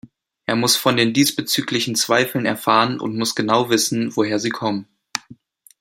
Er muss von den diesbezüglichen Zweifeln erfahren und muss genau wissen, woher sie kommen.